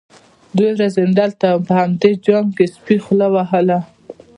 _دوې ورځې دلته وم، په همدې جام کې سپي خوله وهله.